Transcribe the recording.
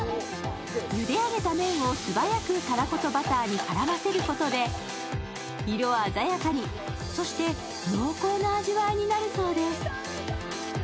ゆで上げた麺を素早くたらことバターに絡ませることで色鮮やかに、そして濃厚な味わいになるそうです。